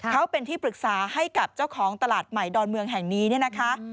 เขาเป็นที่ปรึกษาให้กับเจ้าของตลาดใหม่ดอนเมืองแห่งนี้เนี่ยนะคะ